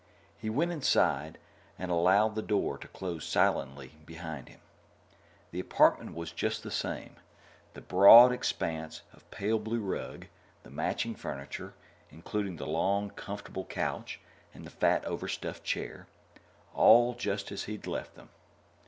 He went inside and allowed the door to close silently behind him. The apartment was just the same the broad expanse of pale blue rug, the matching furniture, including the long, comfortable couch and the fat overstuffed chair all just as he'd left them.